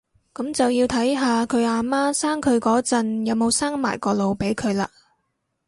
噉就要睇下佢阿媽生佢嗰陣有冇生埋個腦俾佢喇